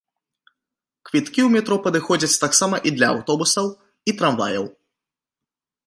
Квіткі ў метро падыходзяць таксама і для аўтобусаў і трамваяў.